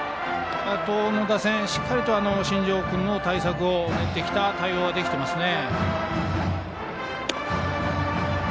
東邦の打線は新庄君の対策を練ってきて対応ができていますね。